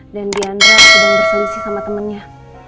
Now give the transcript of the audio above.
dan dianra sedang berselisih sama temannya